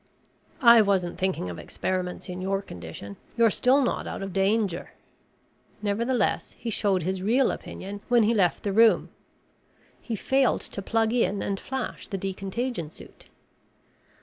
"I wasn't thinking of experiments in your condition. You're still not out of danger." Nevertheless he showed his real opinion when he left the room. He failed to plug in and flash the decontagion suit.